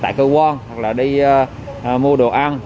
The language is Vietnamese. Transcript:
tại cơ quan đi mua đồ ăn